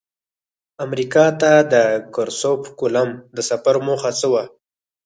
امریکا ته د کرسف کولمب د سفر موخه څه وه؟